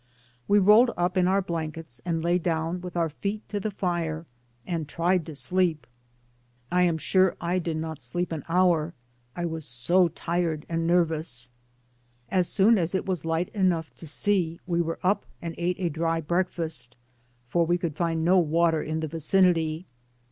"We rolled up in our blankets and lay down with our feet to the fire and tried to sleep. I am sure I did not sleep an hour, I was so tired and nervous. As soon as it was light enough to see, we were up and ate a dry breakfast, for we could find no water in the vicinity.